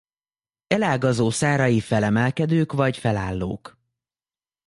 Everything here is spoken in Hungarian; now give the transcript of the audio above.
Elágazó szárai felemelkedők vagy felállók.